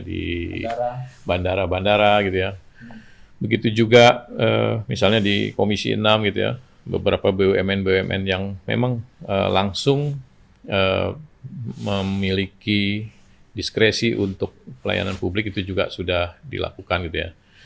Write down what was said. di bandara bandara gitu ya begitu juga misalnya di komisi enam gitu ya beberapa bumn bumn yang memang langsung memiliki diskresi untuk pelayanan publik itu juga sudah dilakukan gitu ya